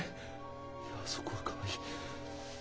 いやそこがかわいい。